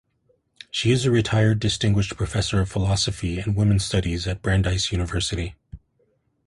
She is a retired distinguished professor of philosophy and women's studies at Brandeis University.